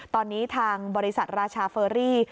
ตอนนี้ทางบริษัทราชาเฟอรี่